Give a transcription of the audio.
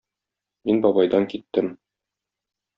Мин бабайдан киттем